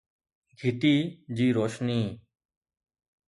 گهٽي جي روشني